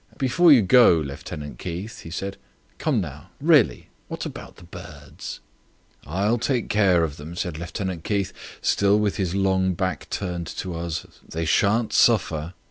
"Before you go, Lieutenant Keith," he said. "Come now. Really, what about the birds?" "I'll take care of them," said Lieutenant Keith, still with his long back turned to us; "they shan't suffer."